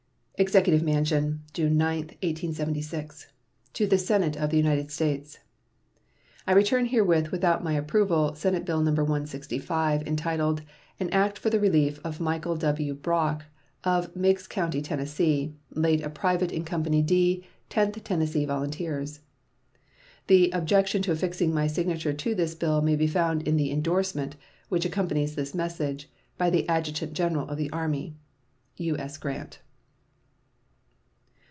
EXECUTIVE MANSION, June 9, 1876. To the Senate of the United States: I return herewith without my approval Senate bill No. 165, entitled "An act for the relief of Michael W. Brock, of Meigs County, Tenn., late a private in Company D, Tenth Tennessee Volunteers." The objection to affixing my signature to this bill may be found in the indorsement (which accompanies this message) by the Adjutant General of the Army. U.S. GRANT.